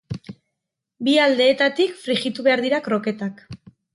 Bi aldeetatik frijitu behar dira kroketak.